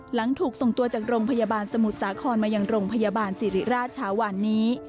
หลังถูกส่งตัวจากโรงพยาบาลสมุทรสาครมายังโรงพยาบาลสิริราชเช้าวันนี้